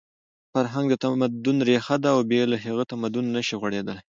فرهنګ د تمدن ریښه ده او بې له هغې تمدن نشي غوړېدی.